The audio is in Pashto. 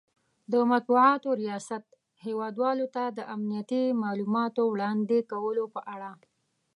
،د مطبوعاتو ریاست هیواد والو ته د امنیتي مالوماتو وړاندې کولو په اړه